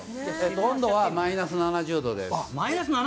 温度はマイナス７０度です。